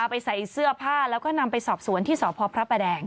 ไปใส่เสื้อผ้าแล้วก็นำไปสอบสวนที่สพพระประแดง